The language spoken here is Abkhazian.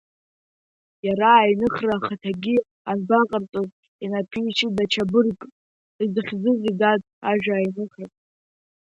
Иара аиныхра ахаҭагьы анбаҟарҵоз, инаԥишьит даҽа быргк, изыхьӡузеи, дад, ажәа аиныхра?